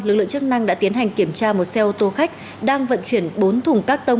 lực lượng chức năng đã tiến hành kiểm tra một xe ô tô khách đang vận chuyển bốn thùng các tông